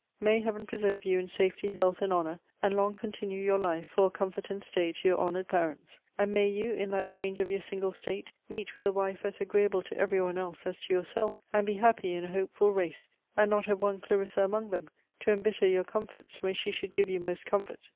May Heave preserve you in safety, health, and honour, and long continue your life for a comfort and stay to your honoured parents! And may you, in that change of your single state, meet with a wife as agreeable to every one else as to yourself, and be happy in a hopeful race, and not have one Clarissa among them, to embitter your comforts when she should give you most comfort!